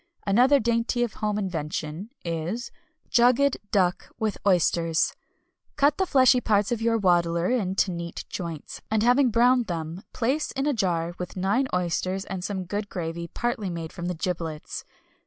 Another dainty of home invention is Jugged Duck with Oysters. Cut the fleshy parts of your waddler into neat joints, and having browned them place in a jar with nine oysters and some good gravy partly made from the giblets.